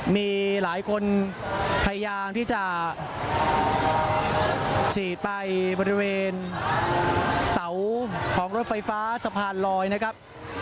มีหลายคนพยายามที่จะฉีดไปบริเวณเสาของรถไฟฟ้าสะพานลอยนะครับ